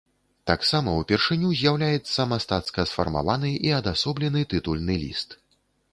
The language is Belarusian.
Таксама упершыню з'яўляецца мастацка сфармаваны і адасоблены тытульны ліст.